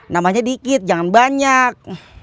namanya dikit jangan banyak